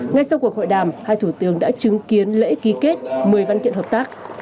ngay sau cuộc hội đàm hai thủ tướng đã chứng kiến lễ ký kết một mươi văn kiện hợp tác